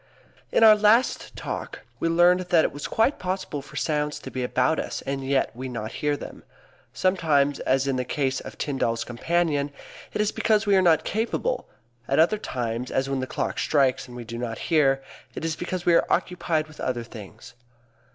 _ In our last Talk we learned that it was quite possible for sounds to be about us and yet we not hear them. Sometimes, as in the case of Tyndall's companion, it is because we are not capable; at other times, as when the clock strikes and we do not hear, it is because we are occupied with other things.